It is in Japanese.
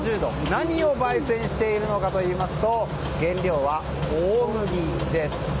何を焙煎しているのかといいますと原料は大麦です。